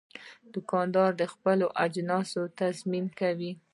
دوکاندار د خپلو اجناسو تضمین کوي.